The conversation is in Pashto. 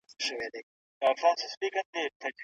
د پلان جوړوني موخې د حکومت لخوا ټاکل کیږي.